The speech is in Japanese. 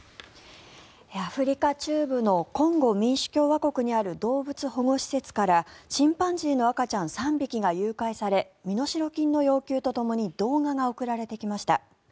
アフリカ中部のコンゴ民主共和国にある動物保護施設からチンパンジーの赤ちゃん３匹が誘拐され、身代金の要求とともに動画が送られてきました。